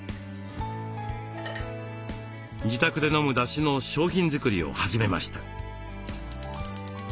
自宅で飲むだしの商品作りを始めました。